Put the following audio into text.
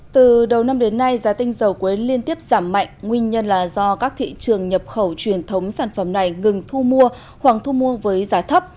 từ đầu năm đến nay giá tinh dầu quế liên tiếp giảm mạnh nguyên nhân là do các thị trường nhập khẩu truyền thống sản phẩm này ngừng thu mua hoặc thu mua với giá thấp